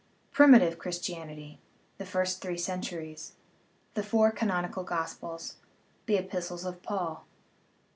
Primitive Christianity (the First Three Cen turies) The Four Canonical Gospels The Epistles of Paul II.